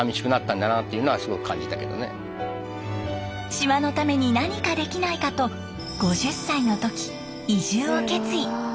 島のために何かできないかと５０歳の時移住を決意。